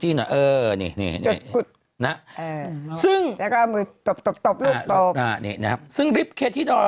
จีนเออนี่นี่นี่นี่นะเออซึ่งแล้วก็มือตบตบตบลูกตอบ